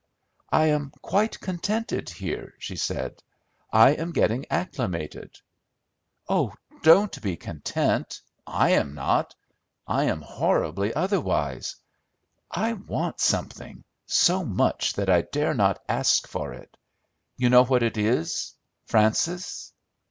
"I am quite contented here," she said. "I am getting acclimated." "Oh, don't be content: I am not; I am horribly otherwise. I want something so much that I dare not ask for it. You know what it is, Frances!"